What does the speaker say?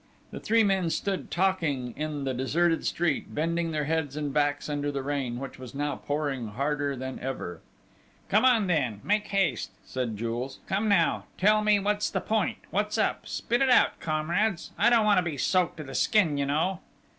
The three men stood talking in the deserted street, bending their heads and backs under the rain, which was now pouring harder than ever. "Come on then! Make haste!" said Jules. "Come now, tell me what's the point what's up spit it out, comrades!... I don't want to be soaked to the skin, you know!"